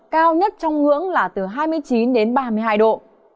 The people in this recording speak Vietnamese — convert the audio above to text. cao nhất trong ngưỡng là từ hai mươi chín đến ba mươi hai độ